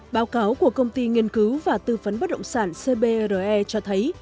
báo cáo của công ty nghiên cứu và tư vấn bất động sản cbre cho thấy